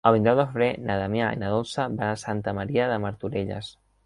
El vint-i-nou de febrer na Damià i na Dolça van a Santa Maria de Martorelles.